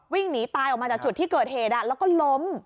วิ่งหนีตายออกมาจากจุดที่เกิดเหตุแล้วก็ล้ม